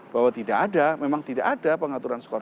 bahwa tidak ada memang tidak ada pengaturan skor